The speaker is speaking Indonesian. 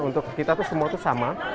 untuk kita tuh semua tuh sama